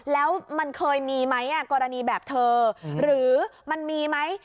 แล้วมันเคยมีไหมกรณีแบบเธอหรือมันมีไหม